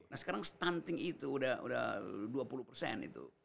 nah sekarang stunting itu udah dua puluh persen itu